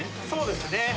そうですね。